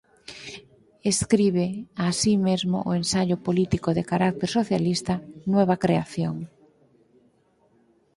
Escribe así mesmo o ensaio político de carácter socialista "Nueva creación".